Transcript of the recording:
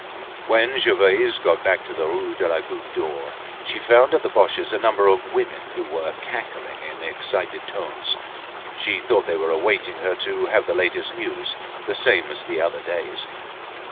When Gervaise got back to the Rue de la Goutte d'Or she found at the Boches' a number of women who were cackling in excited tones. She thought they were awaiting her to have the latest news, the same as the other days.